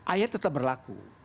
ayat tetap berlaku